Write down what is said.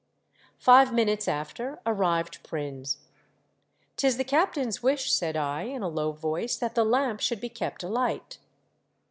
Five minutes after arrived Prins. '' 'Tis the captain's wish " said I, in a low voice, " that the lamp should be kept alight."